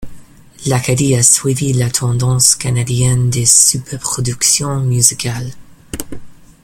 L'Acadie a suivi la tendance canadienne des superproductions musicales.